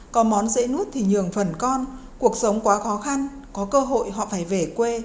có món dễ nuốt thì nhường phần con cuộc sống quá khó khăn có cơ hội họ phải về quê